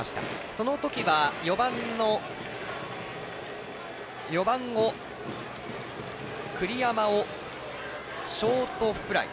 その時は４番の栗山をショートフライ。